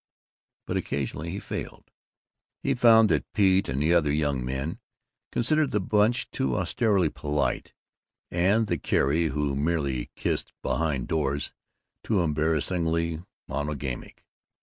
But occasionally he failed. He found that Pete and the other young men considered the Bunch too austerely polite and the Carrie who merely kissed behind doors too embarrassingly monogamic.